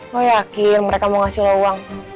lo yakin mereka mau ngasih lo uang